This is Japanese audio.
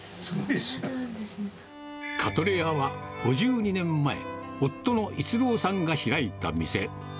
カトレヤは、５２年前、夫の逸郎さんが開いた店。